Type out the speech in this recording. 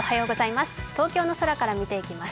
東京の空から見ていきます。